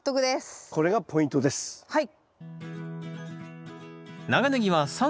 はい。